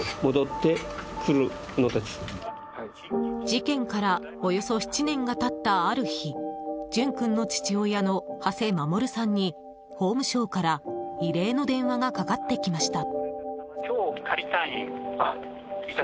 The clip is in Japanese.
事件からおよそ７年が経った、ある日淳君の父親の土師守さんに法務省から異例の電話がかかってきました。